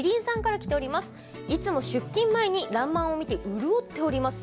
いつも出勤前に「らんまん」を見て潤っております。